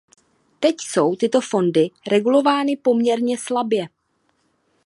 Teď jsou tyto fondy regulovány poměrně slabě.